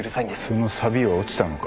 そのさびは落ちたのか？